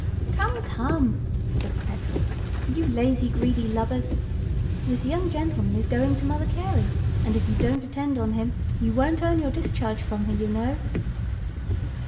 "Come, come," said the petrels, "you lazy greedy lubbers, this young gentleman is going to Mother Carey, and if you don't attend on him, you won't earn your discharge from her, you know."